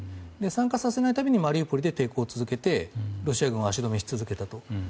参加させないためにマリウポリで抵抗を続けてロシア軍を足止めし続けた。